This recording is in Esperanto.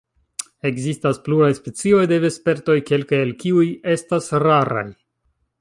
Ekzistas pluraj specioj de vespertoj, kelkaj el kiuj estas raraj.